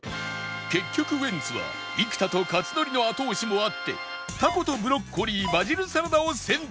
結局ウエンツは生田と克典の後押しもあってたことブロッコリーバジルサラダを選択